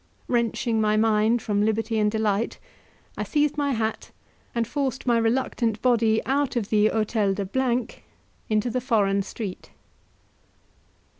Wrenching my mind from liberty and delight, I seized my hat, and forced my reluctant body out of the Hotel de into the foreign street.